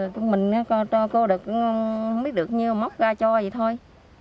nói cô không biết được nhiêu móc ra cho gì thôi